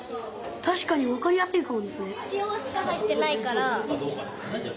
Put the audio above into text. たしかにわかりやすいかもですね。